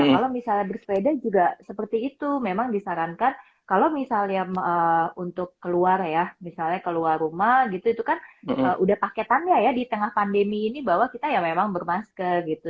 kalau misalnya bersepeda juga seperti itu memang disarankan kalau misalnya untuk keluar ya misalnya keluar rumah gitu itu kan udah paketannya ya di tengah pandemi ini bahwa kita ya memang bermasker gitu